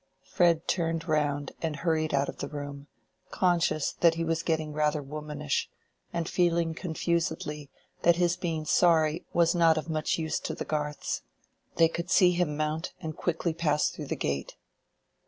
Fred turned round and hurried out of the room, conscious that he was getting rather womanish, and feeling confusedly that his being sorry was not of much use to the Garths. They could see him mount, and quickly pass through the gate.